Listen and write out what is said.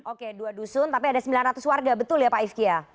oke dua dusun tapi ada sembilan ratus warga betul ya pak ifki ya